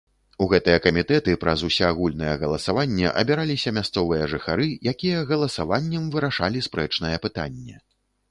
У гэтыя камітэты праз усеагульнае галасаванне абіраліся мясцовыя жыхары, якія галасаваннем вырашалі спрэчнае пытанне.